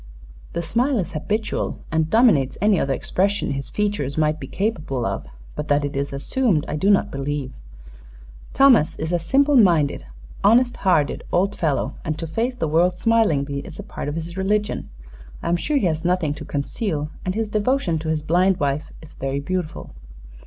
"The smile is habitual, and dominates any other expression his features might be capable of; but that it is assumed I do not believe. Thomas is a simple minded, honest hearted old fellow, and to face the world smilingly is a part of his religion. I am sure he has nothing to conceal, and his devotion to his blind wife is very beautiful."